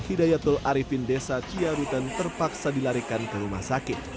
hidayatul arifin desa ciawiten terpaksa dilarikan ke rumah sakit